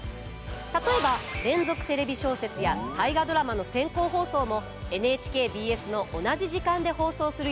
例えば「連続テレビ小説」や「大河ドラマ」の先行放送もＮＨＫＢＳの同じ時間で放送する予定です。